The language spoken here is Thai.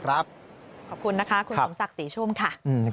ขอบคุณนะคะคุณสมศักดิ์ศรีชุ่มค่ะ